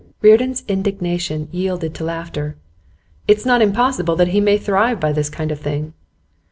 Reardon's indignation yielded to laughter. 'It's not impossible that he may thrive by this kind of thing.